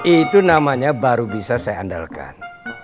itu namanya baru bisa saya andalkan